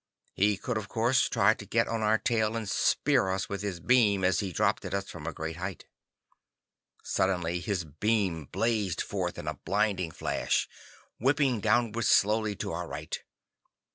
He could, of course, try to get on our tail and "spear" us with his beam as he dropped at us from a great height. Suddenly his beam blazed forth in a blinding flash, whipping downward slowly to our right.